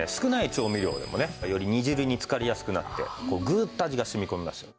調味料でもねより煮汁につかりやすくなってグーッと味が染み込みますよ。